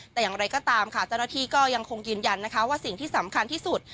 แต่อย่างไรก็ตามค่ะเจ้าหน้าที่ก็ยังคงยืนยันนะคะว่าสิ่งที่สำคัญที่สุด